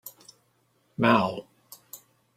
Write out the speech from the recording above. Mao".